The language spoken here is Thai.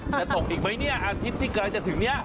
จะตกอีกไหมเนี่ยอาทิตย์ที่กำลังจะถึงนี้